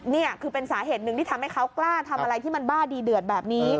นี่คือเป็นสาเหตุหนึ่งที่ทำให้เขากล้าทำอะไรที่มันบ้าดีเดือดแบบนี้